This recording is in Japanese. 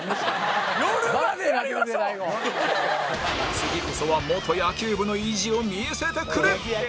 次こそは元野球部の意地を見せてくれ！